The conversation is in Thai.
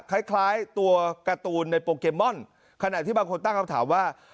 คล้ายคล้ายตัวการ์ตูนในโปเกมอนขณะที่บางคนตั้งคำถามว่า